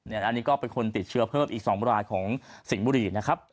อันนี้ก็เป็นคนติดเชื้อเพิ่มอีก๒รายของสิงห์บุรีนะครับ